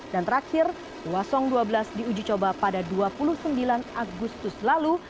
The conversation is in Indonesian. dan terakhir hwasong dua belas di uji coba pada dua puluh sembilan agustus lalu